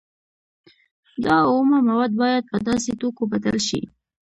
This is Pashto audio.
دا اومه مواد باید په داسې توکو بدل شي